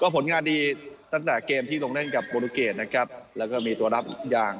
ผลงานดีตั้งแต่เกมที่ลงเล่นกับโปรตูเกตนะครับแล้วก็มีตัวรับอย่าง